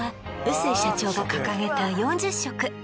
臼井社長が掲げた４０食